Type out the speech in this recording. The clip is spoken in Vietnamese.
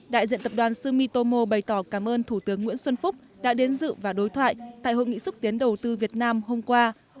đại diện tập đoàn sumitomo bày tỏ cảm ơn thủ tướng nguyễn xuân phúc đã đến dự và đối thoại tại hội nghị xúc tiến đầu tư việt nam hôm qua